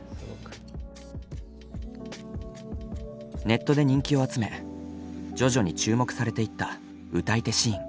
ネットで人気を集め徐々に注目されていった歌い手シーン。